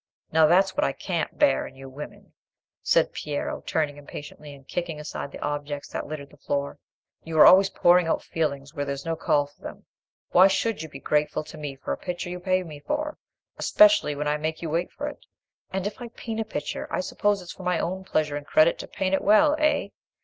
"Now that's what I can't bear in you women," said Piero, turning impatiently, and kicking aside the objects that littered the floor—"you are always pouring out feelings where there's no call for them. Why should you be grateful to me for a picture you pay me for, especially when I make you wait for it? And if I paint a picture, I suppose it's for my own pleasure and credit to paint it well, eh?